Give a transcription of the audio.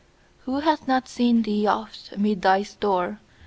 Who hath not seen thee oft amid thy store?